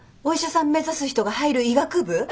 お医者さん目指す人が入る医学部？